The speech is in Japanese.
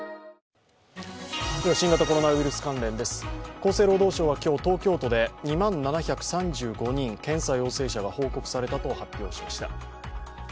厚生労働省は今日、東京都で２万７３５人、検査陽性者が報告されたと発表しました。